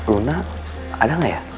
luna ada gak ya